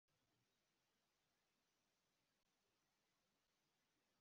urwango ntugategereze gusarura ibitandukanye